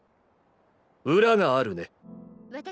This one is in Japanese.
裏があるねッ。